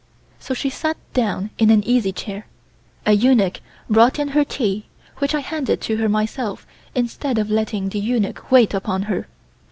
So she sat down in an easy chair. A eunuch brought in her tea, which I handed to her myself instead of letting the eunuch wait upon her.